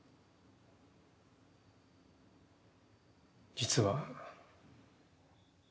実は。